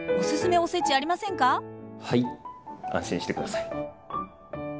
安心して下さい。